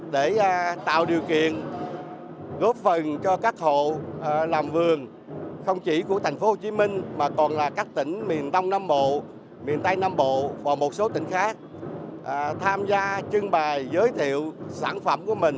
để tạo điều kiện góp phần cho các hộ làm vườn không chỉ của thành phố hồ chí minh mà còn là các tỉnh miền đông nam bộ miền tây nam bộ và một số tỉnh khác tham gia trưng bày giới thiệu sản phẩm của mình